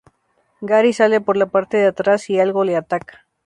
Gary sale por la parte de atrás y algo le ataca.